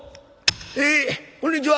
「えこんにちは。